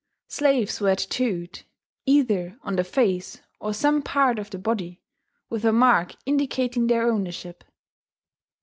Slaves were tattooed, either on the face or some part of the body, with a mark indicating their ownership.